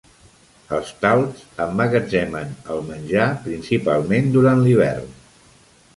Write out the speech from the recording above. Els talps emmagatzemen el menjar, principalment durant l'hivern.